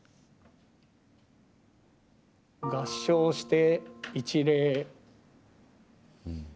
合掌して一礼。